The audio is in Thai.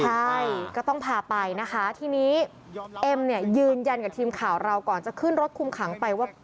ใช่ก็ต้องพาไปนะคะทีนี้เอ็มเนี่ยยืนยันกับทีมข่าวเราก่อนจะขึ้นรถคุมขังไปว่า